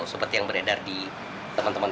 seperti yang beredar di teman teman